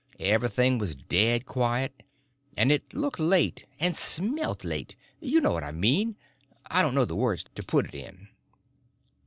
Everything was dead quiet, and it looked late, and smelt late. You know what I mean—I don't know the words to put it in.